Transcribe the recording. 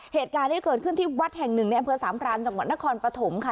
เหตุการณ์ที่เกิดขึ้นที่วัดแห่งหนึ่งในอำเภอสามพรานจังหวัดนครปฐมค่ะ